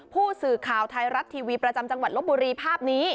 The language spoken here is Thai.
ผู้สื่อข่าวไทยรัฐทีวีประจำจังหวัดลบบุรีภาพนี้